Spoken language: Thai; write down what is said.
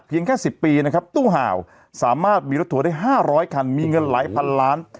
แค่๑๐ปีนะครับตู้ห่าวสามารถมีรถทัวร์ได้๕๐๐คันมีเงินหลายพันล้าน